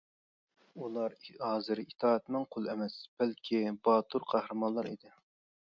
ئۇلار ھازىر ئىتائەتمەن قۇل ئەمەس، بەلكى باتۇر قەھرىمانلار ئىدى.